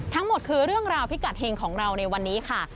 ทั้งหมดคือเรื่องราวพิกัดเฮงของเราในวันนี้ค่ะ